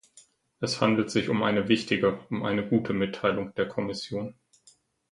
Es handelt sich um eine wichtige, um eine gute Mitteilung der Kommission.